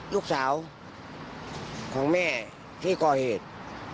ลูกสาวของแม่ที่ก่อเหตุ